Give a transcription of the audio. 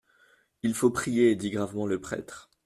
, Il faut prier, dit gravement le prêtre.